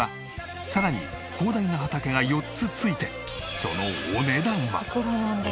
さらに広大な畑が４つ付いてそのお値段は。え！？